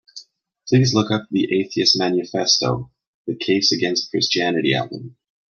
Please look up the Atheist Manifesto: The Case Against Christianity album.